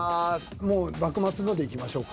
もう「幕末の」でいきましょうか。